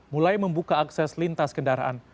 mulai membuka akses lintas kendaraan